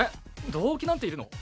動機なんているの？